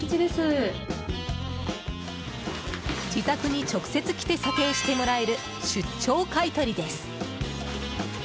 自宅に直接来て査定してもらえる出張買い取りです。